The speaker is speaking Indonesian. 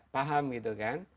paham gitu kan